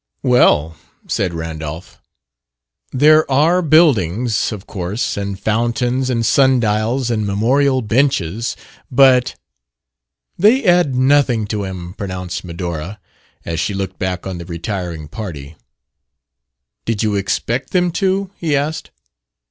"Well," said Randolph, "there are buildings, of course; and fountains, and sun dials, and memorial benches; but..." "They add nothing to him," pronounced Medora, as she looked back on the retiring party. "Did you expect them to?" he asked.